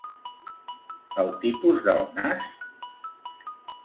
El tipus del nas?